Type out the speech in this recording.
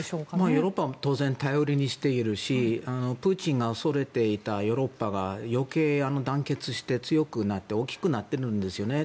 ヨーロッパも当然頼りにしているしプーチンが恐れていたヨーロッパが余計、団結して強くなって大きくなっているんですよね。